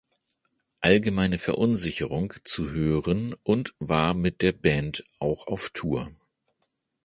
Allgemeine Verunsicherung" zu hören und war mit der Band auch auf Tour.